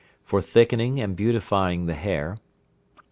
For thickening and beautifying the hair.